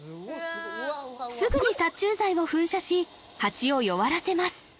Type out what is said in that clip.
すぐに殺虫剤を噴射しハチを弱らせます